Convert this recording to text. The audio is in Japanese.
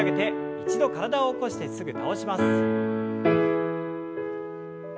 一度体を起こしてすぐ倒します。